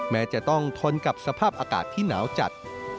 แม้จะต้องทนกับสภาพอากาศที่หนาวจัด